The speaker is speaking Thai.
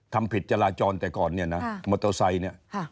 ทำผิดจราจรต่อก่อนมอเตอร์ไซน์